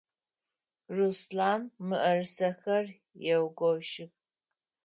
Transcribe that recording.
Руслъан мыӏэрысэхэр егощы.